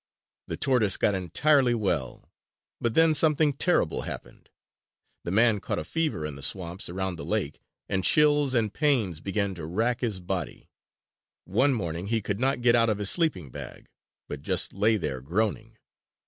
The tortoise got entirely well; but then something terrible happened. The man caught a fever in the swamps around the lake, and chills and pains began to wrack his body. One morning he could not get out of his sleeping bag, but just lay there groaning.